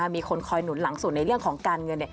มีคนคอยหนุนหลังสุดในเรื่องของการเงิน